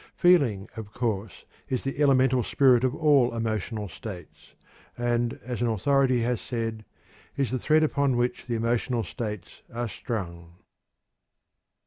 Feeling, of course, is the elemental spirit of all emotional states, and, as an authority has said, is the thread upon which the emotional states are strung.